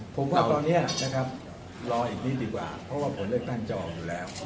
ผมว่าตอนนี้นะครับรออีกนิดดีกว่าเพราะว่าผลเลือกตั้งจะออกอยู่แล้ว